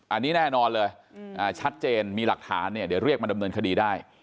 อันนี้แน่นอนเลยชัดเจนมีหลักฐานเนี่ยเดี๋ยวเรียกมาดำเนินคดีได้